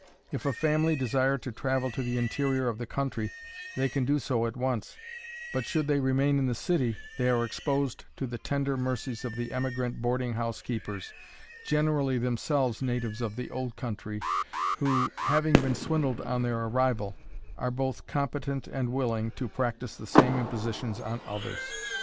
If a family desire to travel to the interior of the country, they can do so at once; but should they remain in the city, they are exposed to the tender mercies of the emigrant boarding house keepers, generally themselves natives of the "old country," who, having been swindled on their arrival, are both competent and willing to practice the same impositions on others.